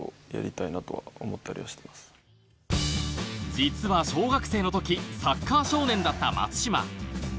実は小学生の時、サッカー少年だった松島。